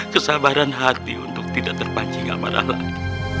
kesabaran hati untuk tidak terpancing amarah lagi